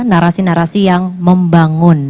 narasi narasi yang membangun